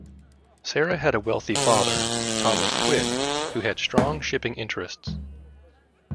Sara had a wealthy father, Thomas Twitt, who had strong shipping interests.